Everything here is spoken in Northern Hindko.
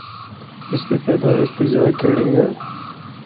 اس دی پیدائش دی جا کِڑی ہے۔